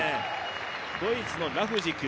ドイツのラフジク。